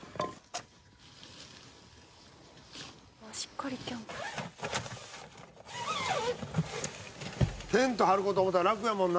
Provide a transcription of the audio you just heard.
「あっしっかりキャンプ」「テント張る事を思ったら楽やもんな！」